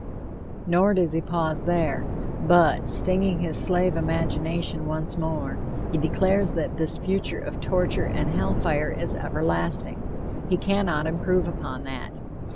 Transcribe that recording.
Nor does he pause there, but, stinging his slave imagination once more, he declares that this future of torture and hell fire is everlasting. He cannot improve upon that.